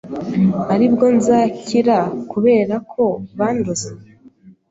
aribwo nzakira kuberako bandoze